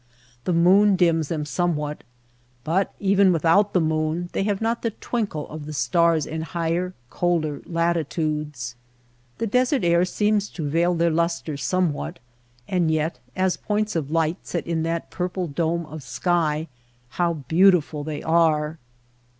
The moon dims them somewhat, but even without the moon they have not the twinkle of the stars in higher, colder latitudes. The desert air seems to veil their lustre somewhat, and yet as points of light set in that purple dome of sky how beautiful they are